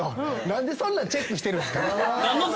何でそんなんチェックしてるんですか